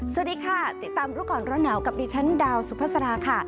สวัสดีค่ะติดตามรู้ก่อนร้อนหนาวกับดิฉันดาวสุภาษาค่ะ